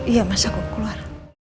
iya mas aku keluar